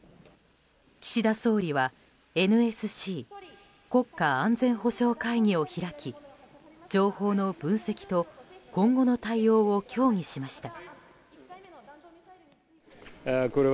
岸田総理はＮＳＣ・国家安全保障会議を開き情報の分析と今後の対応を協議しました。